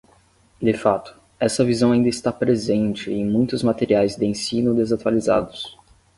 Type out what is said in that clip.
De fato, essa visão ainda está presente em muitos materiais de ensino desatualizados.